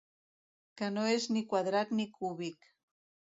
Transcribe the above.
Que no és ni quadrat ni cúbic.